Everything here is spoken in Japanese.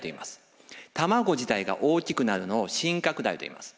卵自体が大きくなるのを心拡大といいます。